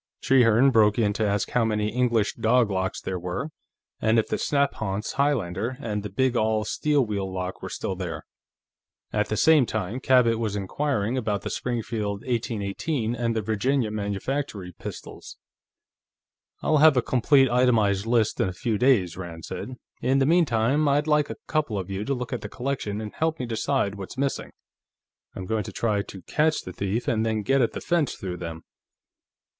Trehearne broke in to ask how many English dog locks there were, and if the snaphaunce Highlander and the big all steel wheel lock were still there. At the same time, Cabot was inquiring about the Springfield 1818 and the Virginia Manufactory pistols. "I'll have a complete, itemized list in a few days," Rand said. "In the meantime, I'd like a couple of you to look at the collection and help me decide what's missing. I'm going to try to catch the thief, and then get at the fence through him."